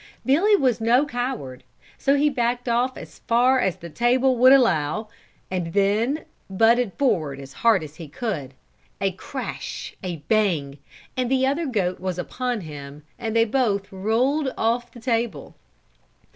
Billy was no coward, so he backed off as far as the table would allow, and then butted forward as hard as he could. A crash! a bang! and the other goat was upon him, and they both rolled off the table.